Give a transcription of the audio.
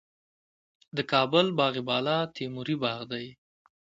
د کابل باغ بالا تیموري باغ دی